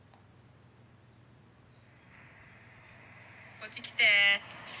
こっち来て。